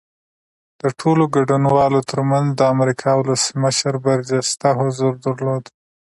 د ټولو ګډونوالو ترمنځ د امریکا ولسمشر برجسته حضور درلود